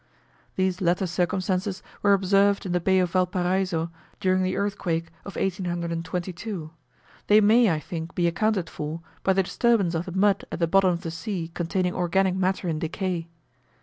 These latter circumstances were observed in the Bay of Valparaiso during the earthquake of 1822; they may, I think, be accounted for, by the disturbance of the mud at the bottom of the sea containing organic matter in decay.